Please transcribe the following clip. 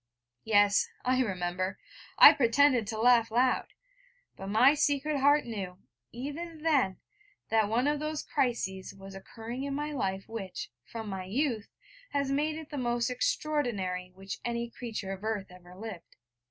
Yes, I remember: I pretended to laugh loud! But my secret heart knew, even then, that one of those crises was occurring in my life which, from my youth, has made it the most extraordinary which any creature of earth ever lived.